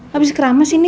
habis keramas ini